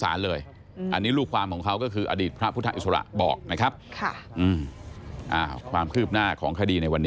อันนี้รูปความของเขาก็คืออดีตพระพุทธาอิสระบอก